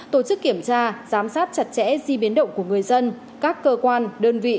tổ chức kiểm tra giám sát chặt chẽ di biến động của người dân các cơ quan đơn vị